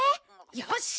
よし！